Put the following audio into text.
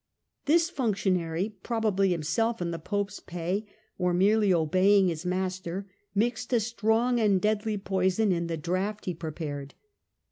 This functionary, probably himself in the Pope's pay, or merely obeying his master, mixed a strong and deadly poison in the draught he prepared.